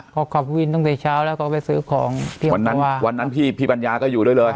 เขาขับวินตั้งแต่เช้าแล้วก็ไปซื้อของเที่ยงวันนั้นวันนั้นพี่พี่ปัญญาก็อยู่ด้วยเลย